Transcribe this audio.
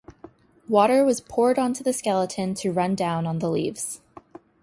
Water was poured onto the skeleton to run down on the leaves.